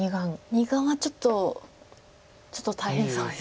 ２眼はちょっとちょっと大変そうです。